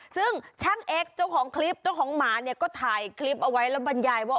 ซึ่งช่างเอ็กซ์เจ้าของคลิปเจ้าของหมาเนี่ยก็ถ่ายคลิปเอาไว้แล้วบรรยายว่า